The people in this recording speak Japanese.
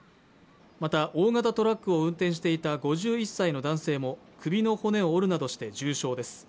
また大型トラックを運転していた５１歳の男性も首の骨を折るなどして重傷です